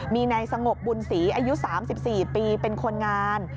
มีนายสงบบุญศรีอายุ๓๔ปีเป็นคนงาน